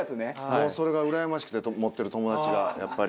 もうそれがうらやましくて持ってる友達がやっぱり。